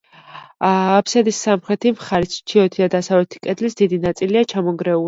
აბსიდის სამხრეთი მხარის, ჩრდილოეთი და დასავლეთი კედლის დიდი ნაწილია ჩამონგრეული.